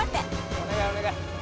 お願いお願い。